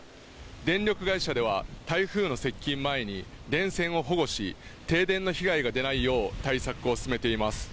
電力会社では台風の接近前に電線を保護し停電の被害が出ないよう対策を進めています